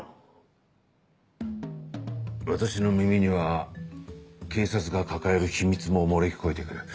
私の耳には警察が抱える秘密も漏れ聞こえて来る。